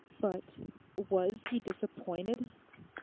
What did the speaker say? But—was he disappointed!